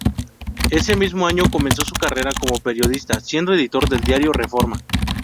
Ese mismo año comenzó su carrera como periodista, siendo editor del diario "Reforma".